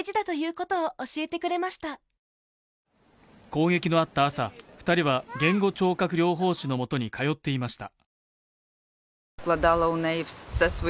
攻撃のあった朝、２人は言語聴覚療法士のもとに通っていました。